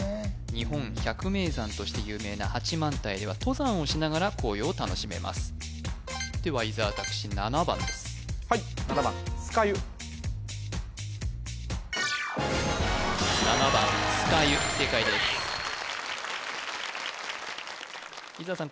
日本百名山として有名な八幡平では登山をしながら紅葉を楽しめますでは伊沢拓司７番ですはい７番すかゆ正解です伊沢さん